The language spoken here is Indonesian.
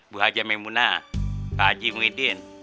bu haji memunah pak haji muhyiddin